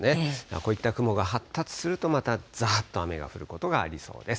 こういった雲が発達すると、またざーっと雨が降ることがありそうです。